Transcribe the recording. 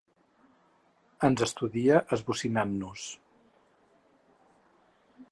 Ens estudia esbocinant-nos.